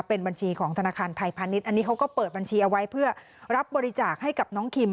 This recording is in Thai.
เป็นบัญชีของธนาคารไทยพาณิชย์อันนี้เขาก็เปิดบัญชีเอาไว้เพื่อรับบริจาคให้กับน้องคิม